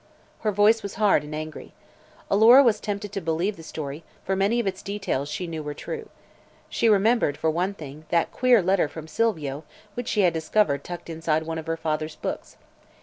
Her voice was hard and angry. Alora was tempted to believe the story, for many of its details she knew were true. She remembered, for one thing, that queer letter from Silvio which she had discovered tucked inside one of her father's books.